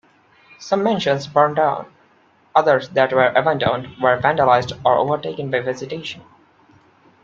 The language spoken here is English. Some mansions burned down, others that were abandoned were vandalized or overtaken by vegetation.